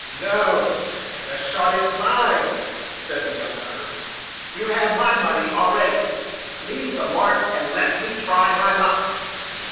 "No the shot is mine," said the young hunter; "you have my money already. Leave the mark, and let me try my luck."